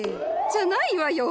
じゃないわよ。